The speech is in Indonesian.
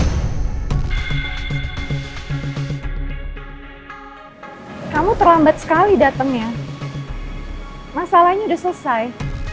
irfan kamu terlambat sekali datangnya masalahnya sudah selesai